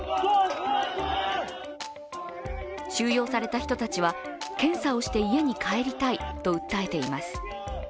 収容された人たちは、検査をして家に帰りたいと訴えています。